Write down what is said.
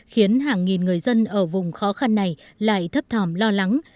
khiến hàng nghìn người dân ở vùng khó khăn này lại thấp thòm lo lắng